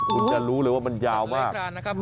คุณจะรู้เลยว่ามันยาวมาก